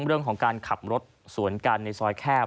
เรื่องของการขับรถสวนกันในซอยแคบ